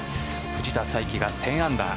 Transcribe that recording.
藤田さいきが１０アンダー。